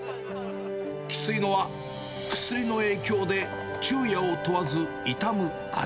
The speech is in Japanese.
きついのは薬の影響で昼夜を問わず痛む足。